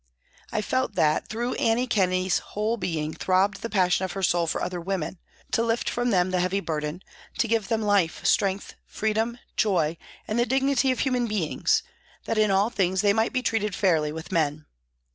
I felt that through Annie Kenney's whole being throbbed the passion of her soul for other women, to lift from them the heavy burden, to give them life, strength, freedom, joy, and the dignity of human beings, that in all things they might be treated fairly with men.